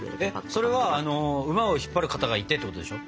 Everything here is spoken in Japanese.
それは馬を引っ張る方がいてってことでしょ？